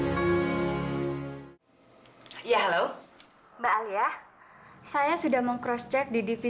sampai jumpa di video selanjutnya